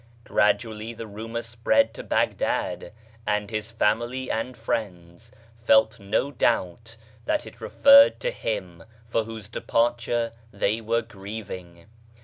Gradually the rumour spread 58 BAHAISM to Baghdad ; and his family and friends felt no doubt that it referred to him for whose departure they were grieving.